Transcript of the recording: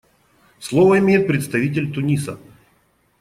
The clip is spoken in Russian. Слово имеет представитель Туниса.